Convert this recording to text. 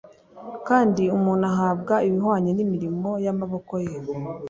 kandi umuntu ahabwa ibihwanye n’imirimo y’amaboko ye